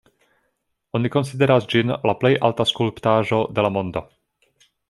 Oni konsideras ĝin la plej alta skulptaĵo de la mondo.